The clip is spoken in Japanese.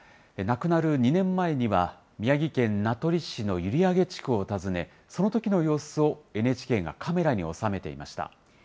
亡くなる２年前には、宮城県名取市の閖上地区を訪ね、そのときの様子をＮＨＫがカメラに収めていました。